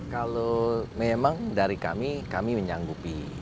kalau memang dari kami kami menyanggupi